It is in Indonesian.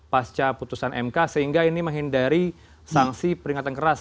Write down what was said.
pasca putusan mk sehingga ini menghindari sanksi peringatan keras